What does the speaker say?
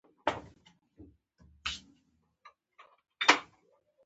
مېلمنو د ماريا د موجوديت پوښتنه وکړه.